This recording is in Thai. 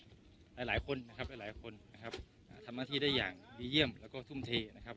หลายหลายคนนะครับหลายหลายคนนะครับทำหน้าที่ได้อย่างดีเยี่ยมแล้วก็ทุ่มเทนะครับ